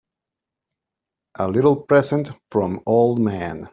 A little present from old man.